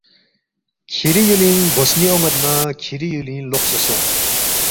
کِھری یُولِنگ گو سنی اون٘ید نہ کِھری یُولِنگ لوقسے سونگ